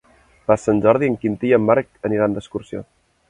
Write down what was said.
Per Sant Jordi en Quintí i en Marc aniran d'excursió.